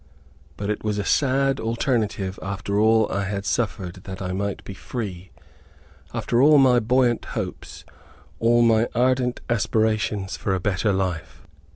But it was a sad alternative after all I had suffered that I might be free, after all my buoyant hopes, all my ardent aspirations for a better life.